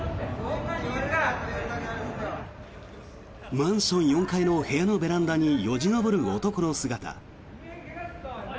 マンション４階の部屋のベランダによじ登る男の姿。